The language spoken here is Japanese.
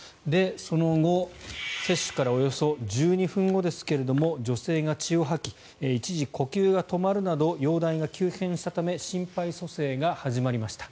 その後、接種からおよそ１２分後ですが女性が血を吐き一時、呼吸が止まるなど容体が急変したため心肺蘇生が始まりました。